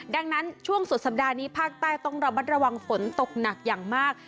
ดังนั้นช่วงสุดสัปดาห์นี้ภาคใต้ต้องระมัดระวังฝนตกหนักอย่างมาก